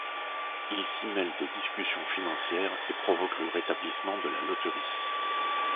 Il s'y mêle des discussions financières, et provoque le rétablissement de la loterie.